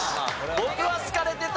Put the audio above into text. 僕は好かれてた。